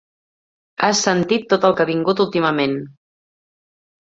Has sentit tot el que ha vingut últimament.